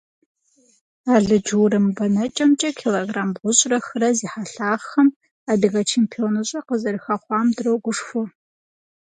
Алыдж-урым бэнэкӏэмкӏэ килограмм бгъущӏрэ хырэ зи хьэлъагъхэм адыгэ чемпионыщӏэ къызэрыхэхъуам дрогушхуэ!